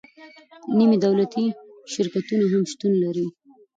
نیمه دولتي شرکتونه هم شتون لري.